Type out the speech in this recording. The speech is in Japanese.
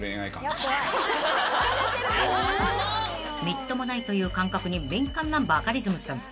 ［みっともないという感覚に敏感なバカリズムさん］